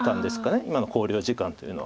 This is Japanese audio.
今の考慮時間というのは。